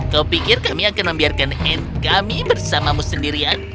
kau pikir kami akan membiarkan hand kami bersamamu sendirian